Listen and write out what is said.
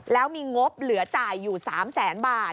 แล้วมีงบเหลือจ่ายอยู่๓แสนบาท